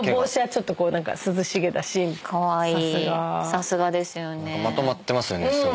さすがですよね。